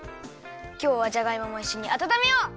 きょうはじゃがいももいっしょにあたためよう！